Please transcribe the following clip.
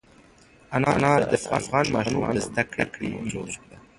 انار د افغان ماشومانو د زده کړې موضوع ده.